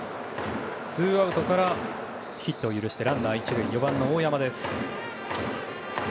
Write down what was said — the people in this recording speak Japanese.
ツーアウトからヒットを許してランナー１塁で４番の大山です。